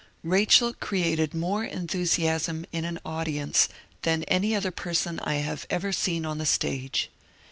Rachel created more enthusiasm in an audience than any other person I have ever seen on the stage.